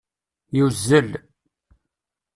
Yuzzel.